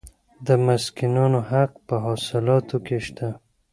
د مسکینانو حق په حاصلاتو کې شته.